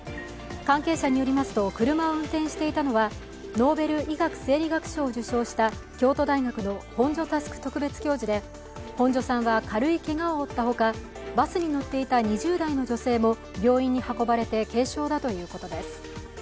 関係者によりますと車を運転していたのはノーベル医学生理学賞を受賞した京都大学の本庶佑特別教授で本庶さんは軽いけがを負ったほかバスに乗っていた２０代の女性も病院に運ばれて軽傷だということです。